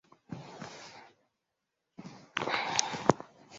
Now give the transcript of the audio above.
Methali ngumu sana.